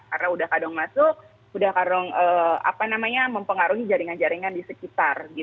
karena sudah kadang masuk sudah kadang mempengaruhi jaringan jaringan di sekitar